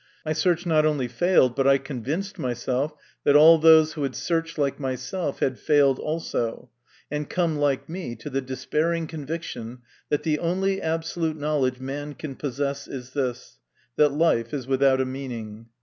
My search not only failed, but I convinced myself that all those who had searched like myself had failed also, and come like me to the despairing conviction that the only absolute knowledge man can possess is this that life is without a meaning.